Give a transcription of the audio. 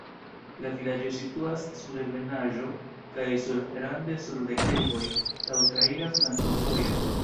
La vilaĝo situas sur ebenaĵo kaj sur rande sur deklivoj, laŭ traira flankovojo.